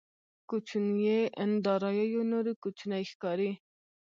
کوچنيې داراییو نورې کوچنۍ ښکاري.